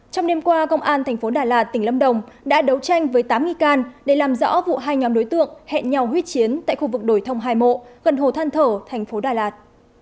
trong đêm qua công an thành phố đà lạt tỉnh lâm đồng đã đấu tranh với tám nghi can để làm rõ vụ hai nhóm đối tượng hẹn nhau huyết chiến tại khu vực đồi thông hai mộ gần hồ than thở thành phố đà lạt